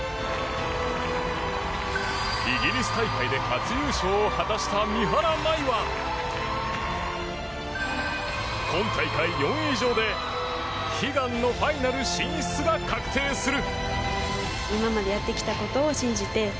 イギリス大会で初優勝を果たした三原舞依は今大会４位以上で悲願のファイナル進出が確定する。